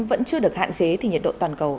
vẫn chưa được hạn chế thì nhiệt độ toàn cầu